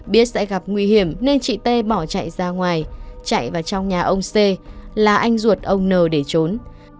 biết sẽ gặp nguy hiểm nên chị tê bỏ chạy ra ngoài chạy vào trong nhà ông c là anh ruột ông n để trốn